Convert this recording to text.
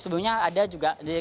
sebelumnya ada juga